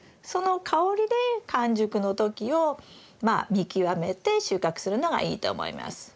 その香りで完熟の時をまあ見極めて収穫するのがいいと思います。